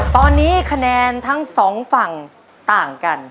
ตอนนี้คะแนนทั้งสองฝั่งต่างกัน